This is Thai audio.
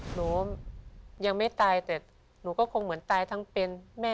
หนูยังไม่ตายแต่หนูก็คงเหมือนตายทั้งเป็นแม่